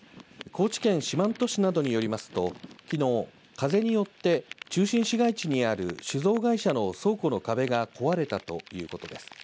高知県四万十市などによりますときのう、風によって中心市街地にある酒造会社の倉庫の壁が壊れたということです。